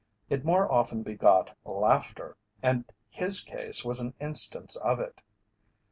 It more often begot laughter, and his case was an instance of it.